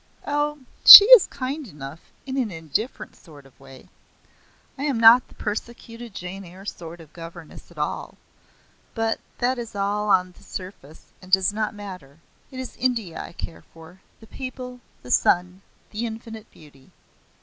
"Oh, she is kind enough in an indifferent sort of way. I am not the persecuted Jane Eyre sort of governess at all. But that is all on the surface and does not matter. It is India I care for the people, the sun, the infinite beauty.